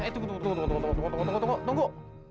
tunggu tunggu tunggu tunggu tunggu tunggu